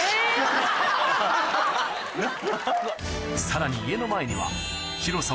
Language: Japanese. さらに家の前には広さ